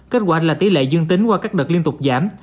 kết quả là tỷ lệ dương tính qua các đợt liên tục giảm